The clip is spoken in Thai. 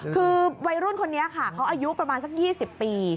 คือวัยรุ่นคนนี้ค่ะเขาอายุประมาณสัก๒๐ปี